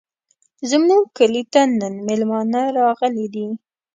زموږ کلي ته نن مېلمانه راغلي دي.